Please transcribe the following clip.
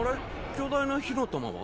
巨大な火の玉は？